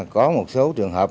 có một số trường hợp